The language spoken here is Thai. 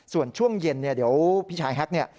ส่วนช่วงเย็นเนี่ยเดี๋ยวพี่ชายแฮ็กเนี่ย